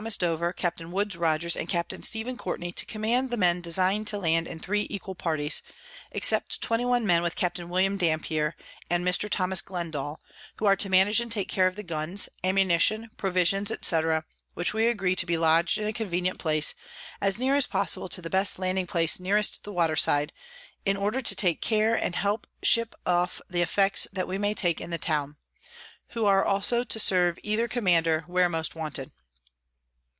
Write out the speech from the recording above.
Dover, Capt. Woodes Rogers, and Capt. Stephen Courtney, to command the Men design'd to land in three equal Parties; except 21 Men with Capt. William Dampier and Mr. Tho. Glendall, who are to manage and take care of the Guns, Ammunition, Provisions, &c. _which we agree to be lodg'd in a convenient place, as near as possible to the best Landing place nearest the Water side, in order to take care and help ship off the Effects that we may take in the Town; who are also to serve either Commander, where most wanted.